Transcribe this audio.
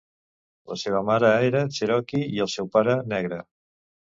La seva mare era cherokee i el seu pare negre.